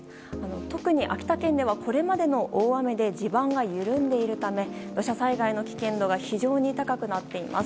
特に秋田県ではこれまでの大雨で地盤が緩んでいるため土砂災害の危険度が非常に高くなっています。